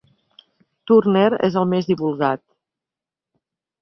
Turner és el més divulgat.